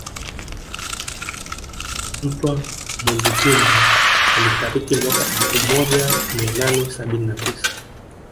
Mtwa Munyigumba alifariki mwaka wa elfu moja mia nane sabini na tisa